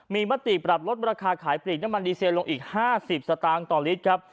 มีมติปรับลดราคาขายปลีกน้ำมันดีเซลลงอีก๕๐สตางค์ต่อลิตรครับ